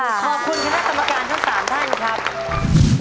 ขอบคุณคณะกรรมการทั้ง๓ท่านครับ